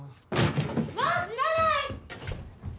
もう知らない！